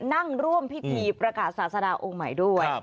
นั่งร่วมพิธีประกาศศาสดาองค์ใหม่ด้วย